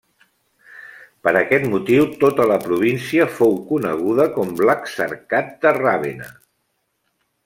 Per aquest motiu tota la província fou coneguda com l'Exarcat de Ravenna.